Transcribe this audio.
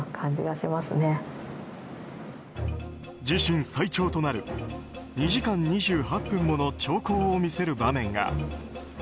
自身最長となる２時間２８分もの長考を見せる場面が。